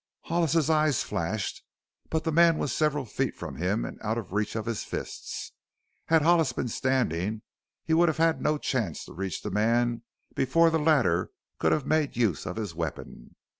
Hollis's eyes flashed, but the man was several feet from him and out of reach of his fists. Had Hollis been standing he would have had no chance to reach the man before the latter could have made use of his weapon.